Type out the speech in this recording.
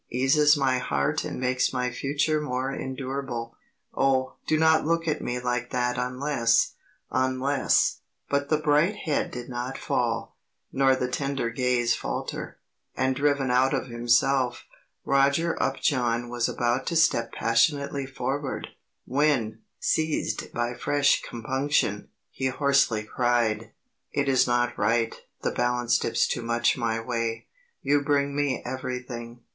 eases my heart and makes my future more endurable. Oh, do not look at me like that unless unless " But the bright head did not fall, nor the tender gaze falter; and driven out of himself, Roger Upjohn was about to step passionately forward, when, seized by fresh compunction, he hoarsely cried: "It is not right. The balance dips too much my way. You bring me everything.